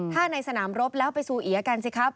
ถ้าในสนามรบแล้วไปซูเอียกันสิครับ